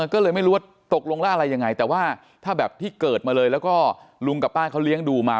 ก็เลยไม่รู้ว่าตกลงแล้วอะไรยังไงแต่ว่าถ้าแบบที่เกิดมาเลยแล้วก็ลุงกับป้าเขาเลี้ยงดูมา